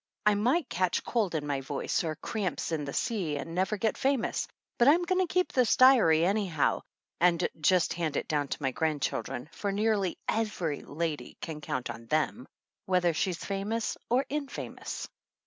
I might catch cold in my voice, or cramps in the sea and never get famous ; but I'm going to keep this diary any how, and just hand it down to my grandchildren, for nearly every lady can count on them, whether she's famous or infamous.